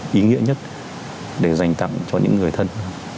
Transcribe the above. đó là ý nghĩa nhất để dành tặng cho những người thân